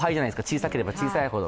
小さければ小さいほど。